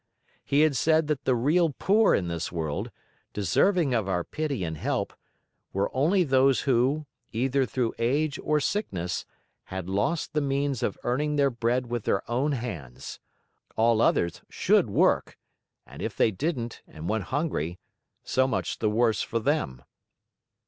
He had said that the real poor in this world, deserving of our pity and help, were only those who, either through age or sickness, had lost the means of earning their bread with their own hands. All others should work, and if they didn't, and went hungry, so much the worse for them.